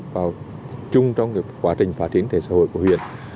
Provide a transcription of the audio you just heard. vào chung trong quá trình phát triển thể xã hội của huyện